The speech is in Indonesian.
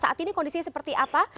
saat ini kondisinya seperti apa